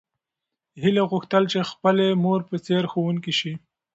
هیلې غوښتل چې د خپلې مور په څېر ښوونکې شي.